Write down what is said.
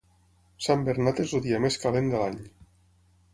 Sant Bernat és el dia més calent de l'any.